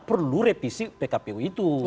perlu revisi pkp u itu